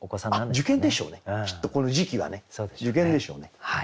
受験でしょうねきっとこの時期はね受験でしょうね。